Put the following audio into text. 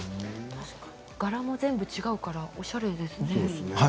柄も全部違うからおしゃれですね。